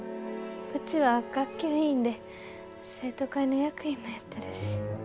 うちは学級委員で生徒会の役員もやってるし。